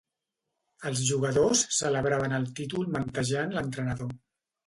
Els jugadors celebraven el títol mantejant l'entrenador.